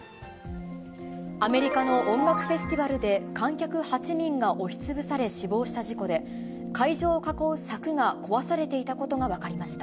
アメリカの音楽フェスティバルで観客８人が押しつぶされ、死亡した事故で、会場を囲う柵が壊されていたことが分かりました。